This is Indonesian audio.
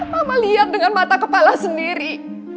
mama lihat dengan mata kepala sendiri